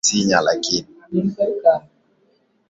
akiwemo Mkuu wa Mkoa wa sasa Mheshimiwa Adam Kighoma Ali Malima